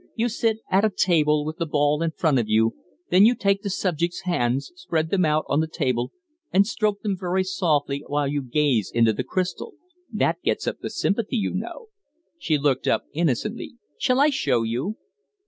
You sit at a table with the ball in front of you; then you take the subject's hands, spread them out on the table, and stroke them very softly while you gaze into the crystal; that gets up the sympathy, you know." She looked up innocently. "Shall I show you?"